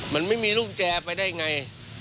มันไม่มีรุ่นมุจแจไปได้ไง